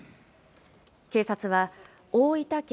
警察は大分県